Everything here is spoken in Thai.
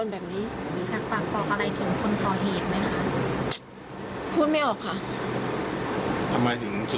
ทำไมถึงสุดท้ายตัดสินใจให้ลูกลาออกเลยล่ะค่ะ